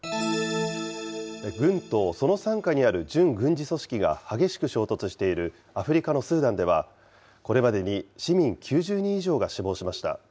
軍とその傘下にある準軍事組織が激しく衝突しているアフリカのスーダンでは、これまでに市民９０人以上が死亡しました。